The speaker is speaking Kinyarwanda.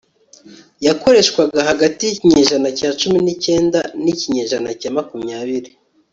yakoreshwaga hagati yikinyejanana cya cumi nicyenda ni kinyejana cya makumyabiri